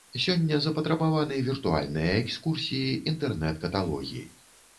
Сёння запатрабаваны віртуальныя экскурсіі, інтэрнэт-каталогі.